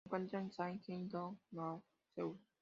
Se encuentra en Sanggye-dong, Nowon-gu, Seúl.